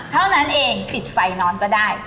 เท่านั้นเองปิดไฟนอนก็ได้